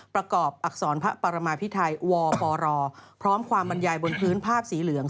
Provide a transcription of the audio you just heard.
ประกอบอักษรพระปรมาพิไทยวปรพร้อมความบรรยายบนพื้นภาพสีเหลือง